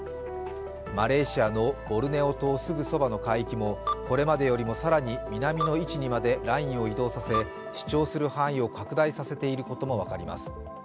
マレーシアのボルネオ島すぐそばの海域もこれまでよりも更に南の位置にまでラインを移動させ、主張する範囲を拡大させていることが分かります。